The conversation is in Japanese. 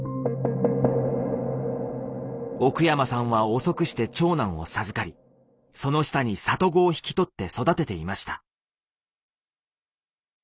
奥山さんは遅くして長男を授かりその下に里子を引き取って育てていました。